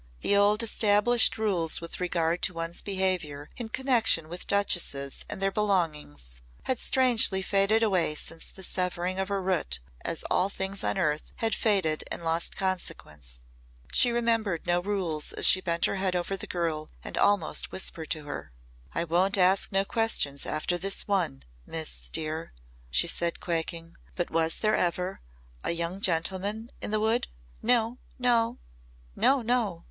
The old established rules with regard to one's behaviour in connection with duchesses and their belongings had strangely faded away since the severing of her root as all things on earth had faded and lost consequence. She remembered no rules as she bent her head over the girl and almost whispered to her. "I won't ask no questions after this one, Miss dear," she said quaking. "But was there ever a young gentleman in the wood?" "No! No! No! No!"